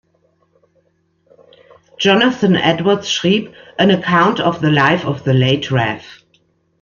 Jonathan Edwards schrieb "An Account of the Life of the Late Rev.